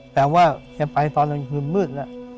แปลว่าแกไปตอนบนคืนมืด